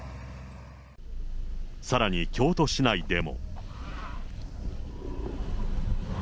さらに京都市内でも。